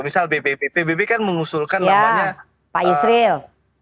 misal pbb pbb kan mengusulkan namanya pak yusril